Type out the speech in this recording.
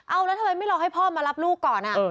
เอาแล้วทำไมไม่รอให้พ่อมารับลูกก่อน